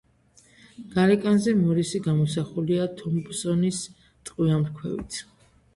გარეკანზე მორისი გამოსახულია თომპსონის ტყვიამფრქვევით.